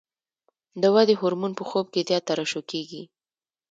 د ودې هورمون په خوب کې زیات ترشح کېږي.